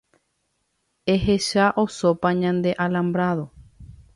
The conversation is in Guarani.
Ehecha osópa ñande alambrado.